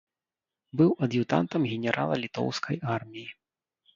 Быў ад'ютантам генерала літоўскай арміі.